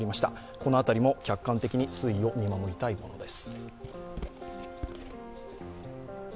この辺りも客観的に推移を見守りたいものです。